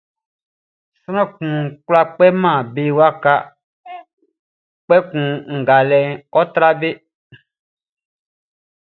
Sran fi kwlá kpɛman be wakaʼn, kpɛkun ngalɛʼn ɔ́ trá be.